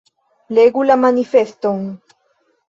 Legu la manifeston.